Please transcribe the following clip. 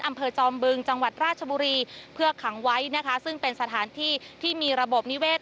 จอมบึงจังหวัดราชบุรีเพื่อขังไว้นะคะซึ่งเป็นสถานที่ที่มีระบบนิเวศ